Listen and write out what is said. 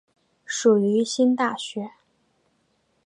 属于新大学。